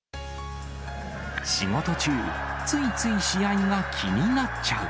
仕事中、ついつい試合が気になっちゃう。